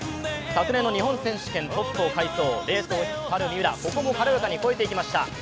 昨年の日本選手権、トップを快走レースを引っ張る三浦、ここも軽やかに超えていきました。